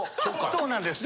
そうなんです。